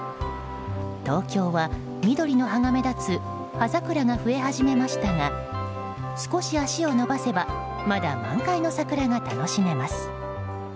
東京は緑の葉が目立つ葉桜が増え始めましたが少し足を延ばせばまだ満開の桜が楽しめます。